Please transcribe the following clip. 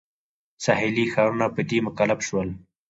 ساحلي ښارونه په دې مکلف شول.